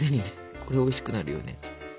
これおいしくなるよね。